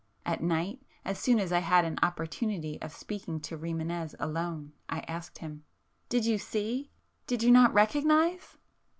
At night, as soon as I had an opportunity of speaking to Rimânez alone, I asked him ... "Did you see,——did you not recognize?